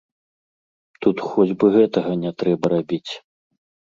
Тут хоць бы гэтага не трэба рабіць.